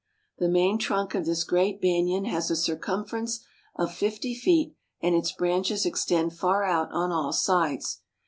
The main trunk of this great banyan has a circumference of fifty feet, and its branches extend far out on all sides.